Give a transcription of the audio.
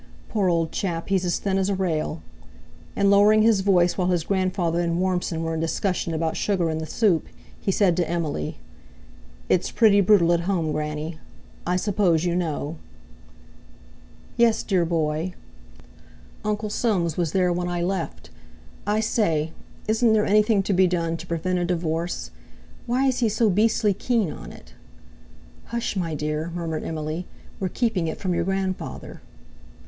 "Poor old chap, he's as thin as a rail!" And lowering his voice while his grandfather and Warmson were in discussion about sugar in the soup, he said to Emily: "It's pretty brutal at home, Granny. I suppose you know." "Yes, dear boy." "Uncle Soames was there when I left. I say, isn't there anything to be done to prevent a divorce? Why is he so beastly keen on it?" "Hush, my dear!" murmured Emily; "we're keeping it from your grandfather."